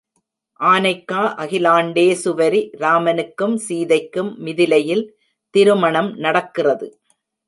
ஆனைக்கா அகிலாண்டேசுவரி ராமனுக்கும் சீதைக்கும் மிதிலையில் திருமணம் நடக்கிறது.